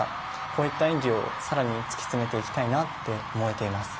こういった演技をさらに突き詰めていきたいと思っています。